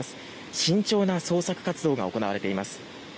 慎重な捜索活動が行われています。